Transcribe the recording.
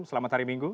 selamat hari minggu